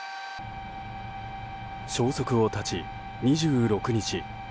消息を絶ち２６日。